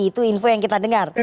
itu info yang kita dengar